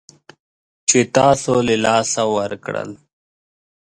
چې تاسو له لاسه ورکړل